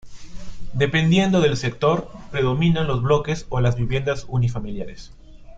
Dependiendo del sector, predominan los bloques o las viviendas unifamiliares.